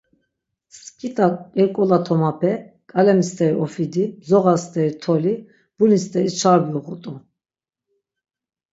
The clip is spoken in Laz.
Sk̆it̆a k̆irkola tomape, k̆alemi steri ofidi, mzoğa steri toli, buli steri çarbi uğut̆u.